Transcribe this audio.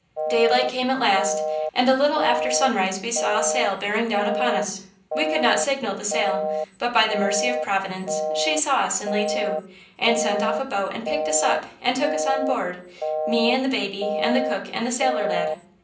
"Daylight came at last. And a little after sunrise we saw a sail bearing down upon us. We could not signal the sail, but by the mercy of Providence, she saw us and lay to, and sent off a boat and picked us up and took us on board–me and the baby and the cook and the sailor lad.